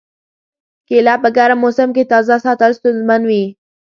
کېله په ګرم موسم کې تازه ساتل ستونزمن وي.